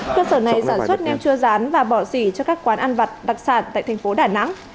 cơ sở này sản xuất neo chưa rán và bỏ xỉ cho các quán ăn vặt đặc sản tại thành phố đà nẵng